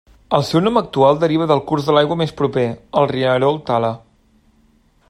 El seu nom actual deriva del curs d'aigua més proper, el rierol Tala.